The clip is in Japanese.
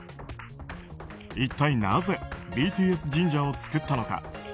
一体なぜＢＴＳ神社を作ったのか。